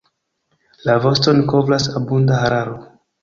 La voston kovras abunda hararo.